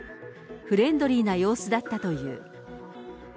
フレンドリーな様子だったという。